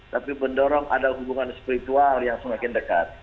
tapi mendorong ada hubungan spiritual yang semakin dekat